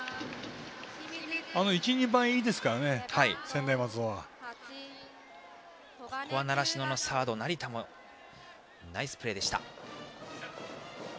１、２番がいいですから専大松戸は。習志野のサード、成田のナイスプレーでした。